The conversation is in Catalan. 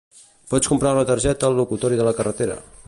Pots comprar una targeta al locutori de la carretera